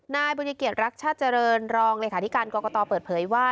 นายบุญเกียจรักษาเจริญรองค์หลักขาดิการกรกตเปิดเผยว่า